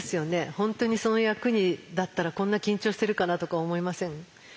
本当にその役だったらこんな緊張してるかなとか思いません？